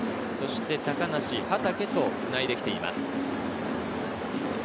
高梨、畠とつないできています。